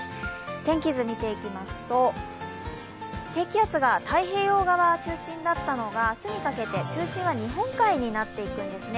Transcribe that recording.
天気図見ていきますと低気圧が太平洋側中心だったのが明日にかけて中心は日本海になっていくんですね。